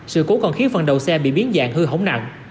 sự cố còn khiến phần đầu xe bị biến dạng hư hỏng nặng